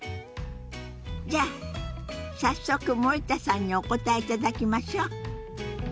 じゃあ早速森田さんにお答えいただきましょう。